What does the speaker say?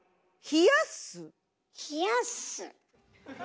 冷やす泡。